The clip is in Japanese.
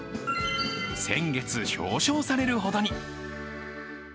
先月、表彰されるほどに。